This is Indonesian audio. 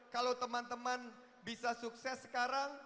kalau teman teman bisa sukses sekarang